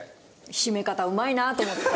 締め方うまいなと思って。